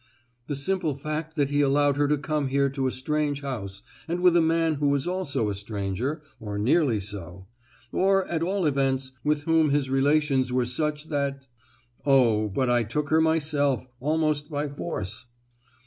"The simple fact that he allowed her to come here to a strange house, and with a man who was also a stranger, or nearly so; or, at all events, with whom his relations were such that——" "Oh, but I took her myself, almost by force."